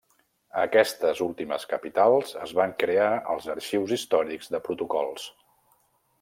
A aquestes últimes capitals es van crear els arxius històrics de protocols.